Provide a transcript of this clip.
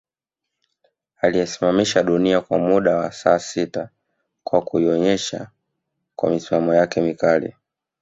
Aliyesimamisha dunia kwa muda saa sita kwa kuienyesha kwa misimamo yake mikali